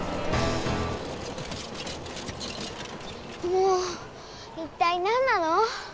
もう一体なんなの？